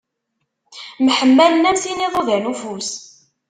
Mḥemmalen am sin iḍudan n ufus.